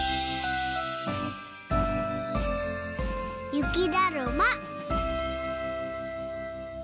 ゆきだるま。